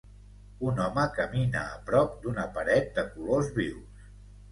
Un home camina a prop d'una paret de colors vius.